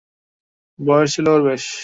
বয়স ছিল ওর বেশ।